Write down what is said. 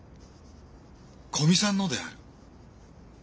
古見さんのである。